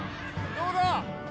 どうだ？